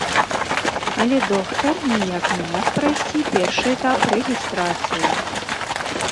Але доктар ніяк не мог прайсці першы этап рэгістрацыі.